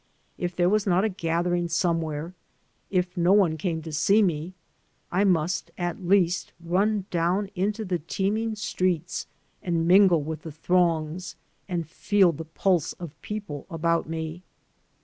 If there was not a gathering somewhere, if no one came to see me, I must at least run down into the teeming streets and mingle with the throngs and feel the pulse of people about me.